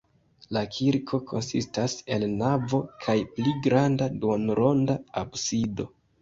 La kirko konsistas el navo kaj pli granda duonronda absido.